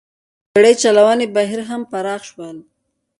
د بېړۍ چلونې بهیر هم پراخ شول.